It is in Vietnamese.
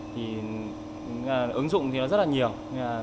thì ứng dụng thì nó rất là nhiều